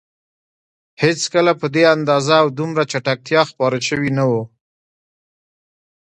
هېڅکله په دې اندازه او دومره چټکتیا خپاره شوي نه وو.